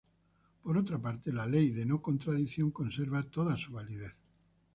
Por otra parte, la ley de no-contradicción conserva toda su validez.